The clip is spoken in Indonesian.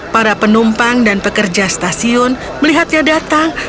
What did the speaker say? para penumpang dan pekerja stasiun melihatnya datang